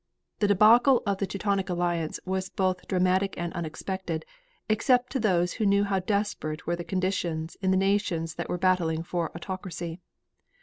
The debacle of the Teutonic alliance was both dramatic and unexpected, except to those who knew how desperate were the conditions in the nations that were battling for autocracy.